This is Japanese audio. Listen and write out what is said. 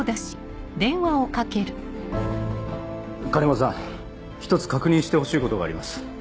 鐘場さん１つ確認してほしいことがあります。